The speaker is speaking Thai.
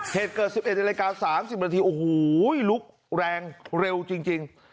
เหตุเกิด๑๑นาฬิกา๓๐นาทีโอ้โหลุกแรงเร็วจริง